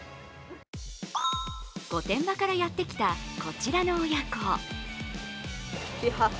御殿場からやってきたこちらの親子。